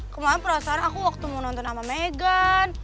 kemarin perasaan aku waktu mau nonton sama megan